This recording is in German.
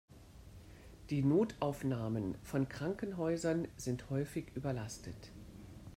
Die Notaufnahmen von Krankenhäusern sind häufig überlastet.